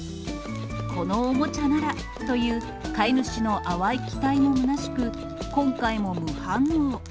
このおもちゃならという、飼い主の淡い期待もむなしく、今回も無反応。